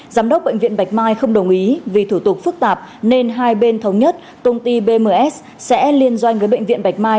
giám đốc bệnh viện bạch mai không đồng ý vì thủ tục phức tạp nên hai bên thống nhất công ty bms sẽ liên doanh với bệnh viện bạch mai